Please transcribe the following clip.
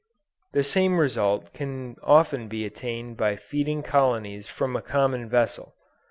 The same result can often be attained by feeding colonies from a common vessel.